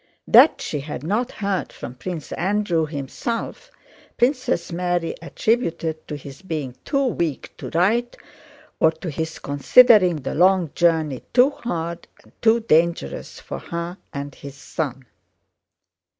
That she had not heard from Prince Andrew himself, Princess Mary attributed to his being too weak to write or to his considering the long journey too hard and too dangerous for her and his son.